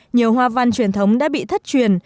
nhiều hoa văn truyền thống đã bị thất truyền